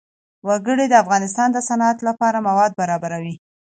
وګړي د افغانستان د صنعت لپاره مواد برابروي.